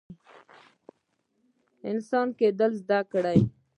انسان کیدل زده کړئ